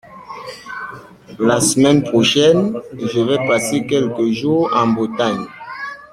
La semaine prochaine, je vais passer quelques jours en Bretagne.